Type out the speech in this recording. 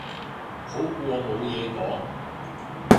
好過冇嘢講